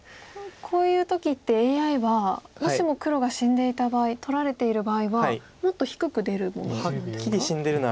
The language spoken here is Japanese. こういう時ってＡＩはもしも黒が死んでいた場合取られている場合はもっと低く出るものなんですか？